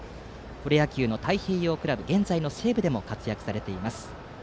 プロ野球の太平洋クラブ現在の西武でも活躍されています。